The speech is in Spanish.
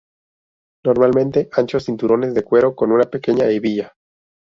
Normalmente anchos cinturones de cuero con una pequeña hebilla.